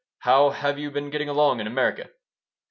How have you been getting along in America?"